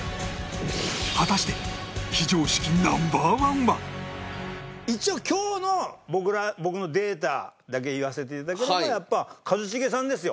果たして一応今日の僕のデータだけで言わせて頂ければやっぱ一茂さんですよ。